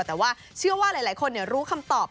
แต่ว่าเชื่อว่าหลายคนรู้คำตอบ